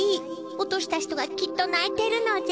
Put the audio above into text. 落とした人がきっとないてるのじゃ。